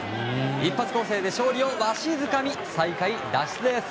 一発攻勢で勝利をわしづかみ最下位脱出です。